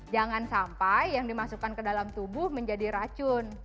jangan sampai yang dimasukkan ke dalam tubuh menjadi racun